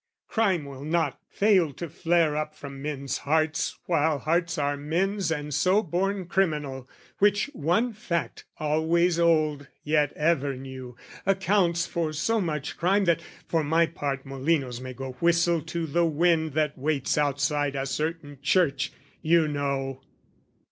"Crime will not fail to flare up from men's hearts "While hearts are men's and so born criminal "Which one fact, always old yet ever new, "Accounts for so much crime that, for my part, "Molinos may go whistle to the wind "That waits outside a certain church, you know!"